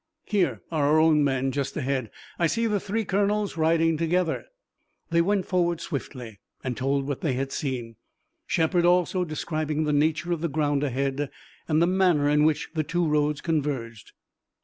"Here are our own men just ahead. I see the three colonels riding together." They went forward swiftly and told what they had seen, Shepard also describing the nature of the ground ahead, and the manner in which the two roads converged.